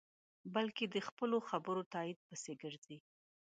بلکې د خپلو خبرو تایید پسې گرځي.